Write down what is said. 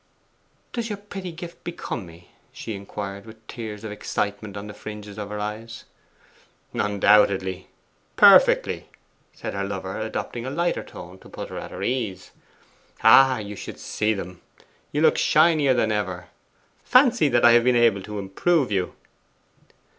'Does your pretty gift become me?' she inquired, with tears of excitement on the fringes of her eyes. 'Undoubtedly, perfectly!' said her lover, adopting a lighter tone to put her at her ease. 'Ah, you should see them; you look shinier than ever. Fancy that I have been able to improve you!